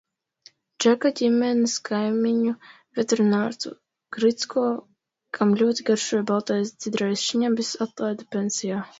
Džeka ģimenes kaimiņu, veterinārstu Gricko, kam ļoti garšoja Baltais dzidrais šnabis, atlaida pensijā.